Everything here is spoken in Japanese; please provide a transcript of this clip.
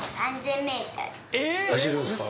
走るんすか？